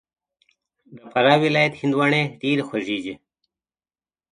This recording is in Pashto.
د فراه ولایت هندواڼې ډېري خوږي دي